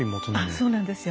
あっそうなんですよ。